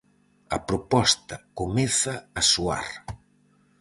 A proposta comeza a soar.